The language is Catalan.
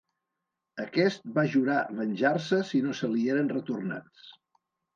Aquest va jurar venjar-se si no se li eren retornats.